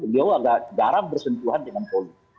dia agak jarang bersentuhan dengan politik